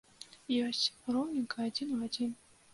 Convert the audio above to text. Ёсць, роўненька адзін у адзін.